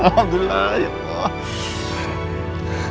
alhamdulillah ya allah